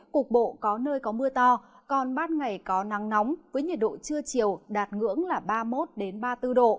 cục bộ có nơi có mưa to còn ban ngày có nắng nóng với nhiệt độ trưa chiều đạt ngưỡng ba mươi một ba mươi bốn độ